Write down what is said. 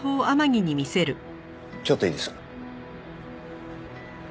ちょっといいですか？